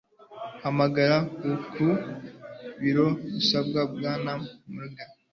Hamagara ku biro usabe Bwana Morgan